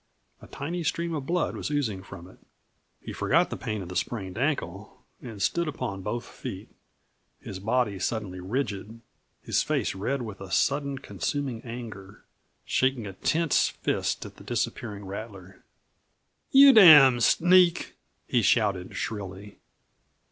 A tiny stream of blood was oozing from it. He forgot the pain of the sprained ankle and stood upon both feet, his body suddenly rigid, his face red with a sudden, consuming anger, shaking a tense fist at the disappearing rattler. "You damned sneak!" he shouted shrilly.